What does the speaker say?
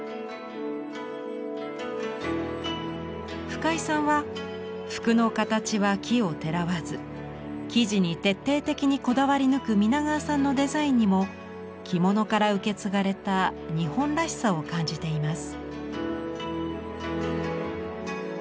深井さんは服の形は奇をてらわず生地に徹底的にこだわりぬく皆川さんのデザインにも着物から受け継がれた日本らしさを感じています。